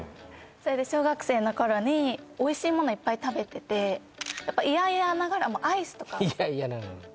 それで小学生の頃においしいものいっぱい食べててやっぱ嫌々ながらもアイスとか「嫌々ながらも」